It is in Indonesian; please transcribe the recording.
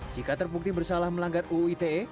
jika terbukti bersalah melanggar uu ite